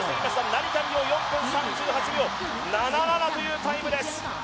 成田実生４分３８秒７７というタイムです。